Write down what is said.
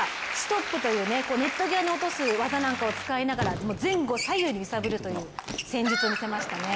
これは、ネット上に落とす技なんかを使いながら、前後左右に揺さぶるという戦術を見せましたね。